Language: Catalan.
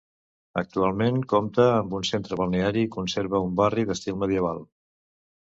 Actualment compta amb un centre balneari i conserva un barri d'estil medieval.